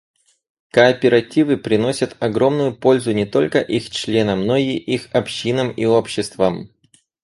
Кооперативы приносят огромную пользу не только их членам, но и их общинам и обществам.